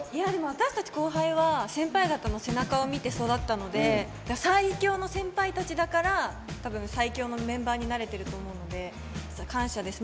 私たち後輩は先輩たちの背中を見て育ったので最強の先輩たちだから最強のメンバーになれてると思うので感謝です。